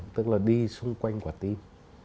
tức là đi xung quanh quả tim